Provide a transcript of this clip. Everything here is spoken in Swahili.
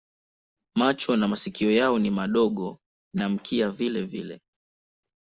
Macho na masikio yao ni madogo na mkia vilevile.